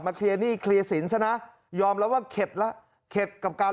เคลียร์หนี้เคลียร์สินซะนะยอมรับว่าเข็ดแล้วเข็ดกับการ